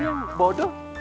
ini yang bodoh